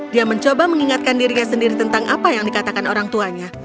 dia mencoba mengingatkan dirinya sendiri tentang apa yang dikatakan orang tuanya